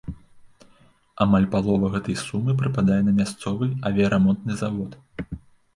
Амаль палова гэтай сумы прыпадае на мясцовы авіярамонтны завод.